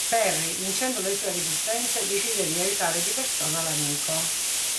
Perry, vincendo le sue resistenze, decide di aiutare di persona l'amico.